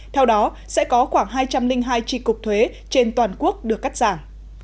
theo đó sẽ có khoảng hai trăm linh hai tri cục thuế trên toàn quốc được cắt giảm